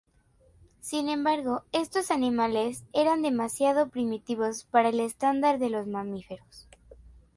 Sin embargo, estos animales eran demasiado primitivos para el estándar de los mamíferos.